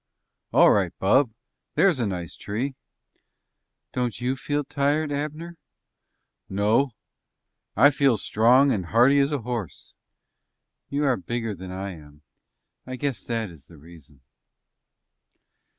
"All right, bub. There's a nice tree." "Don't you feel tired, Abner?" "No; I feel as strong as hearty as a horse." "You are bigger than I am. I guess that is the reason."